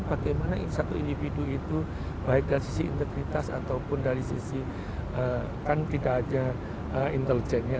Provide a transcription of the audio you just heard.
bagaimana satu individu itu baik dari sisi integritas ataupun dari sisi kan tidak ada intelijennya